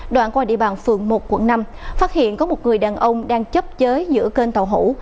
đoạn qua địa bàn phường một quận năm phát hiện có một người đàn ông đang chấp chới giữa kênh tàu hủ